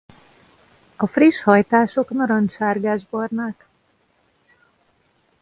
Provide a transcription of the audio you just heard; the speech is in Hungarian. A friss hajtások narancssárgás-barnák.